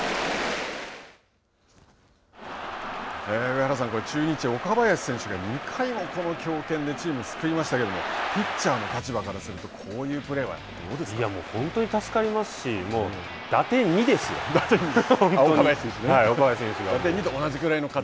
上原さん、中日岡林選手が２回もこの強肩でチームを救いましたけどピッチャーの立場からするとこういうプレーはどうですか。